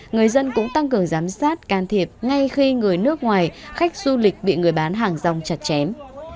người dân cũng tăng cường giám sát can thiệp ngay khi người nước ngoài khách du lịch bị người bán hàng rong chặt chém